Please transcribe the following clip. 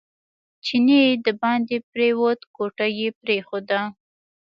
چینی دباندې پرېوت کوټه یې پرېښوده.